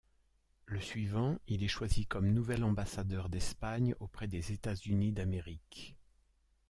Le suivant, il est choisi comme nouvel ambassadeur d'Espagne auprès des États-Unis d'Amérique.